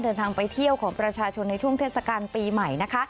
เดินทางไปเที่ยวของประชาชนในช่วงเทศกาลปีใหม่นะคะ